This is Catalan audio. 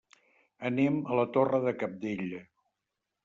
Anem a la Torre de Cabdella.